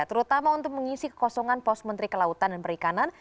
terutama untuk mengisi kekosongan pos menteri kelautan dan perikanan